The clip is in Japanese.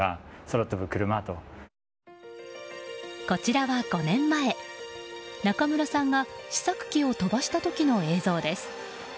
こちらは５年前中村さんが試作機を飛ばした時の映像です。